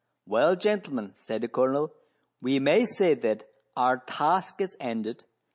Well, gentlemen," said the Colonel, " we may say that our task is ended.